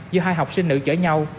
do hai học sinh nữ chở nhau